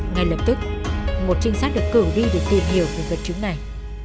ngay lập tức một trinh sát được cử đi để tìm hiểu về vật chứng này